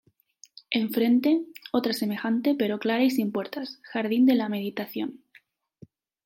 Enfrente, otra semejante, pero clara y sin puertas: ""Jardín de la Meditación"".